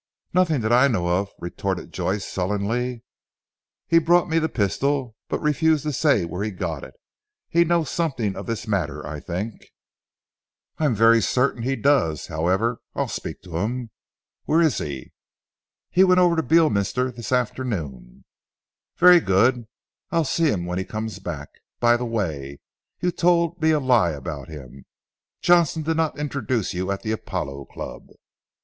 "Nothing, that I know of," retorted Joyce sullenly. "He brought me the pistol, but refused to say where he got it. He knows something of this matter I think." "I am very certain he does. However, I'll speak to him. Where is he?" "He went over to Beorminster this afternoon. "Very good I'll see him when he comes back. By the way, you told me a lie about him, Johnstone did not introduce you at the Apollo Club."